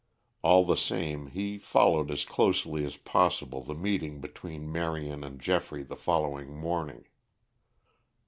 All the same, he followed as closely as possible the meeting between Marion and Geoffrey the following morning.